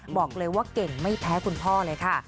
บอกเลยว่าเก่งไม่แพ้คุณพ่อเลยค่ะ